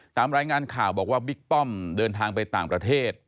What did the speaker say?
ตามรายงานข่าวบอกว่าบิ๊กป้อมเดินทางไปต่างประเทศ